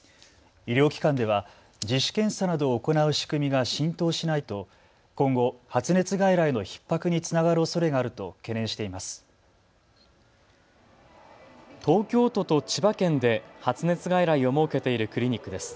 医療機関では自主検査などを行う仕組みが浸透しないと今後、発熱外来のひっ迫につながるおそれがあると懸念しています。